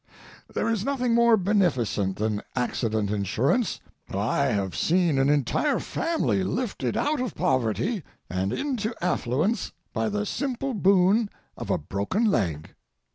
There is nothing more beneficent than accident insurance. I have seen an entire family lifted out of poverty and into affluence by the simple boon of a broken leg.